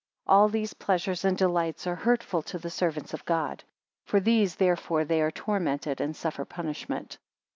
41 All these pleasures and delights are hurtful to the servants of God. For these therefore they are tormented and suffer punishment.